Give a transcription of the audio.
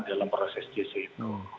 dalam proses gc itu